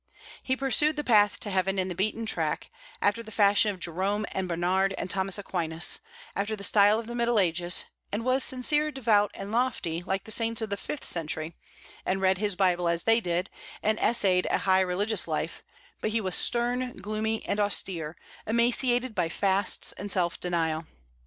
He pursued the path to heaven in the beaten track, after the fashion of Jerome and Bernard and Thomas Aquinas, after the style of the Middle Ages, and was sincere, devout, and lofty, like the saints of the fifth century, and read his Bible as they did, and essayed a high religious life; but he was stern, gloomy, and austere, emaciated by fasts and self denial.